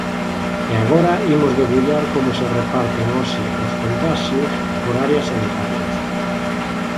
E agora imos debullar como se reparten hoxe os contaxios por áreas sanitarias.